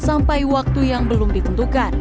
sampai waktu yang belum ditentukan